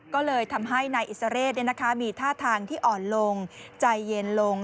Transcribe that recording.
ก็เลยทำให้นายอิสระเรศมีท่าทางที่อ่อนลงใจเย็นลง